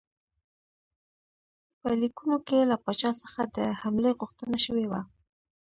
په لیکونو کې له پاچا څخه د حملې غوښتنه شوې وه.